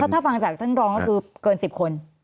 ถ้าฟังจากท่านรองก็คือเกิน๑๐คน